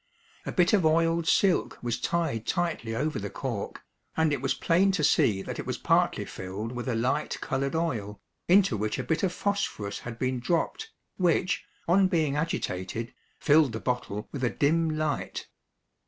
A bit of oiled silk was tied tightly over the cork, and it was plain to see that it was partly filled with a light colored oil, into which a bit of phosphorous had been dropped, which, on being agitated, filled the bottle with a dim light.